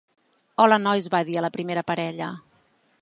Hola, nois —va dir a la primera parella.